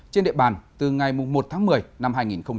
trên địa bàn từ ngày một tháng một mươi năm hai nghìn một mươi chín